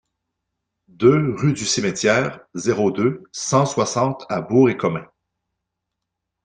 deux rue du Cimetière, zéro deux, cent soixante à Bourg-et-Comin